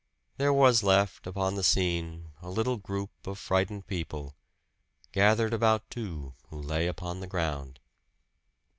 There was left upon the scene a little group of frightened people, gathered about two who lay upon the ground.